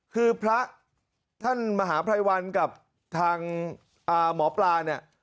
คือพระท่านมหาภัยวันกับทางหมอปลาเนี่ย